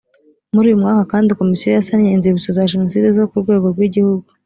muri uyu mwaka kandi komisiyo yasannye inzibutso za jenoside zo ku rwego rw igihugu